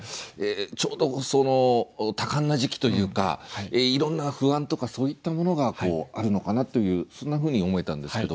ちょうど多感な時期というかいろんな不安とかそういったものがあるのかなというそんなふうに思えたんですけど。